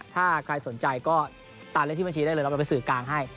ถ้าใครสนใจก็ตามเลขที่บัญชีได้เลยเราไปสื่อกลางให้